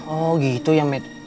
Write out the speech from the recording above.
oh gitu ya med